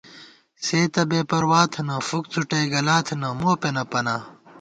سے تہ بے پروا تھنہ فُک څھُٹَئی گلا تھنہ مو پېنہ پنا